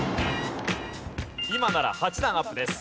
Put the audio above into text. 今なら８段アップです。